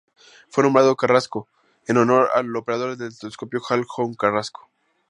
Fue nombrado Carrasco en honor al operador en el telescopio Hale "Juan Carrasco".